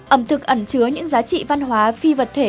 ẩm thực ẩn chứa những giá trị văn hóa phi vật thể